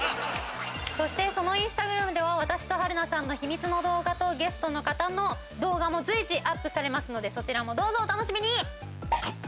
そしてそのインスタグラムでは私と春菜さんの秘密の動画とゲストの方の動画も随時アップされますのでそちらもどうぞお楽しみに！